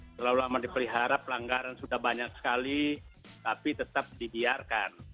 terlalu lama dipelihara pelanggaran sudah banyak sekali tapi tetap dibiarkan